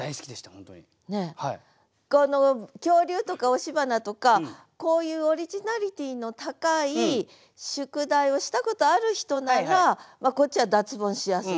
この「恐竜」とか「押し花」とかこういうオリジナリティーの高い宿題をしたことある人ならこっちは脱ボンしやすいと。